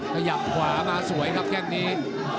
ขยับขวามาสวยครับแค่งนี้